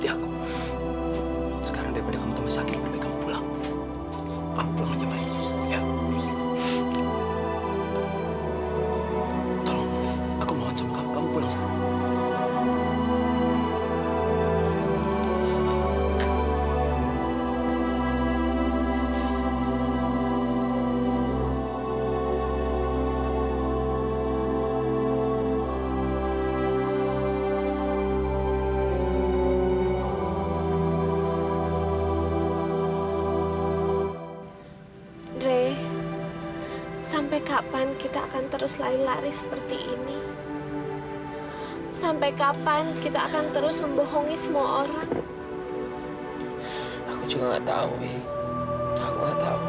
aku gak tahu